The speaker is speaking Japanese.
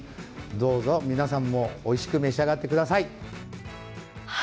どうぞ皆さんもおいしく召し上がってください。